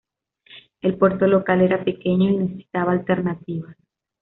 El puerto local era pequeño y necesitaba alternativas.